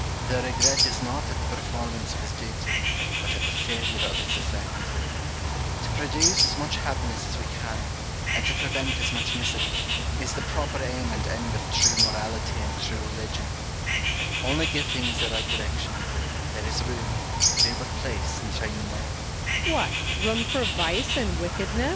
The regret is not at the performance of his duty, but at the failure of its effect. To produce as much happiness as we can, and to prevent as much misery, is the proper aim and end of true morality and true religion. Only give things their right direction : there is room, do but place and train them well.